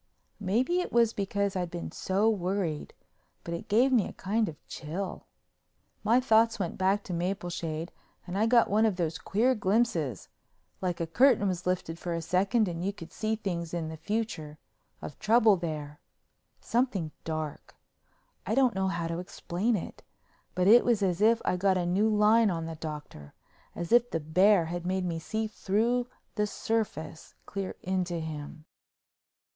Maybe it was because I'd been so worried, but it gave me a kind of chill. My thoughts went back to Mapleshade and I got one of those queer glimpses (like a curtain was lifted for a second and you could see things in the future) of trouble there—something dark—I don't know how to explain it, but it was as if I got a new line on the Doctor, as if the bear had made me see through the surface clear into him.